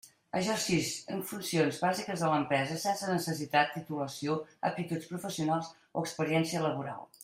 Exercix funcions bàsiques de l'empresa sense necessitat titulació, aptituds professionals o experiència laboral.